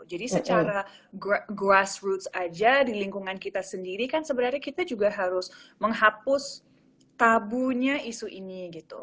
jadi secara grassroots aja di lingkungan kita sendiri kan sebenarnya kita juga harus menghapus tabunya isu ini gitu